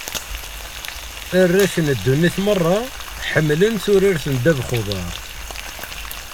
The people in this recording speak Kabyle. Arrac n ddunit merra, ḥemmlen turart n ddabax n uḍar.